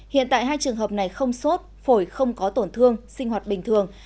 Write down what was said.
hiện tại hai trường hợp này không sốt phổi không có tổn thương sinh hoạt bình thường